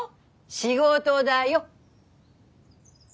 仕事だよ。